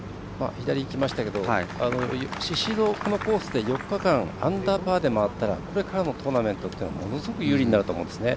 左にいきましたけど宍戸、このコースで４日間アンダーパーで回ったらこれからのトーナメントというのはものすごく有利になると思うんですね。